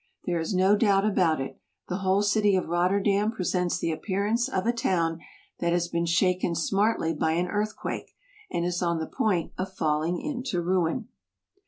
There is no doubt about it; the whole city of Rotterdam presents the appearance of a town that has been shaken smartly by an earthquake, and is on the point of falling into ruin.